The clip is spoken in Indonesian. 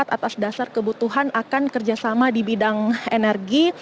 atas dasar kebutuhan akan kerjasama di bidang energi